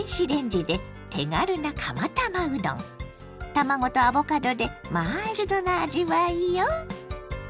卵とアボカドでマイルドな味わいよ。